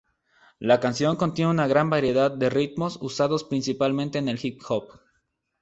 La canción contiene una vasta variedad de ritmos usados principalmente en el hip hop.